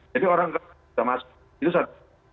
jadi orang tidak bisa masuk itu satu